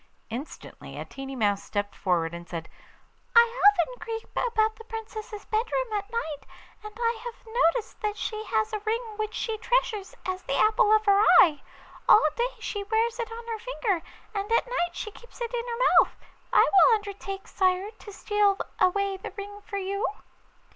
Instantly a tiny mouse stepped forward and said: 'I often creep about the Princess's bedroom at night, and I have noticed that she has a ring which she treasures as the apple of her eye. All day she wears it on her finger, and at night she keeps it in her mouth. I will undertake, sire, to steal away the ring for you.